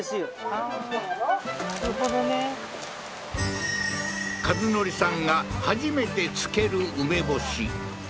ああーなるほどね和則さんが初めて漬ける梅干し